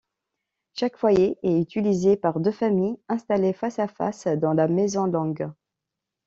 Chaque foyer est utilisé par deux familles installées face-à-face dans la maison longue.